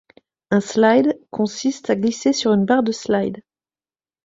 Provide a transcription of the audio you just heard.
Un slide consiste à glisser sur une barre de slide.